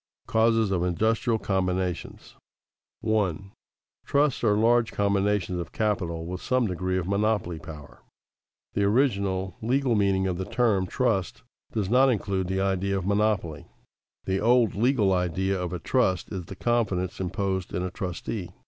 CAUSES OF INDUSTRIAL COMBINATIONS [Sidenote: Trusts in the legal and the popular sense] 1. Trusts are large combinations of capital with some degree of monopoly power. The original, legal meaning of the term trust does not include the idea of monopoly. The old legal idea of a trust is the confidence imposed in a trustee.